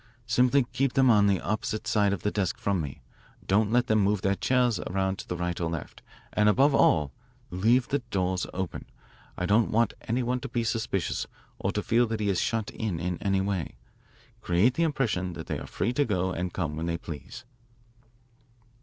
Simply keep them on the opposite side of the desk from me. Don't let them move their chairs around to the right or left. And, above all, leave the doors open. I don't want any one to be suspicious or to feel that he is shut in in any way. Create the impression that they are free to go and come when they please."